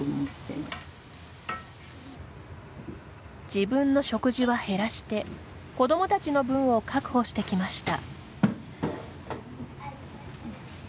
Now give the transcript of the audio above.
自分の食事は減らして子どもたちの分を確保してきました。